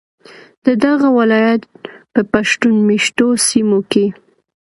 ددغه ولایت په پښتون میشتو سیمو کې